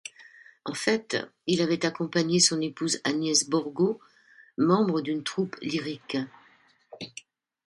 En fait, il avait accompagné son épouse Agnès Borgo, membre d'une troupe lyrique.